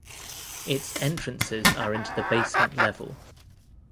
Its entrances are into the "basement" level.